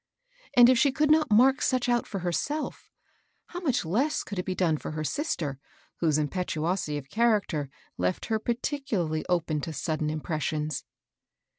And if she could not mark such out for herself, how much less could it be done for her sister, whose impetuosity of character left: her particularly open to sudden impressions